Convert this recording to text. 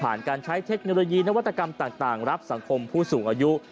การใช้เทคโนโลยีนวัตกรรมต่างรับสังคมผู้สูงอายุ